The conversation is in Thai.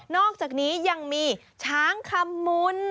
อกจากนี้ยังมีช้างคำมุน